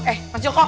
eh mas joko